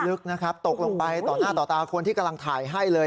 ลึกนะครับตกลงไปต่อหน้าต่อตาคนที่กำลังถ่ายให้เลย